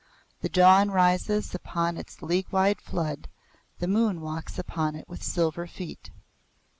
The dawn rises upon its league wide flood; the moon walks upon it with silver feet.